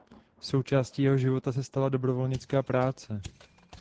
Součástí jejího života se stala dobrovolnická práce.